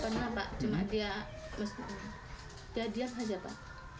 pernah pak cuma dia saja pak